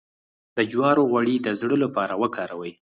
د جوارو غوړي د زړه لپاره وکاروئ